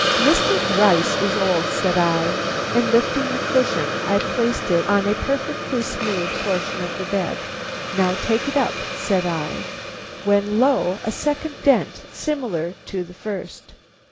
"Mr. Gryce is old," said I; and lifting the cushion, I placed it on a perfectly smooth portion of the bed. "Now take it up," said I, when, lo! a second dent similar to the first.